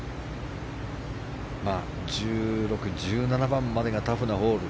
１６、１７番までがタフなホール。